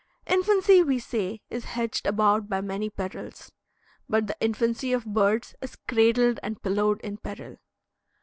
Infancy, we say, is hedged about by many perils; but the infancy of birds is cradled and pillowed in peril.